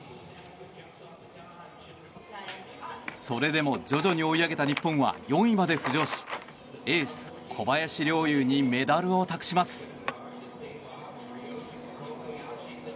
それでも徐々に追い上げた日本は４位まで浮上しエース小林陵侑にメダルを託します。